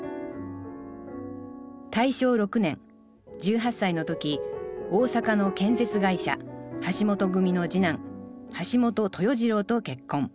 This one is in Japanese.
大正６年１８歳の時大阪の建設会社橋本組の次男橋本豊次郎と結婚。